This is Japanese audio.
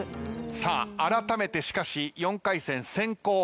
さああらためてしかし４回戦先攻。